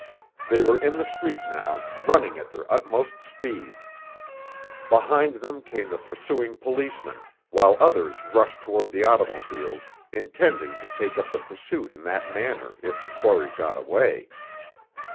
They were in the street now, running at their utmost speed. Behind them came the pursuing policemen, while others rushed toward the automobiles, intending to take up the pursuit in that manner if the quarry got away.